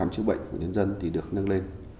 chức bệnh của nhân dân thì được nâng lên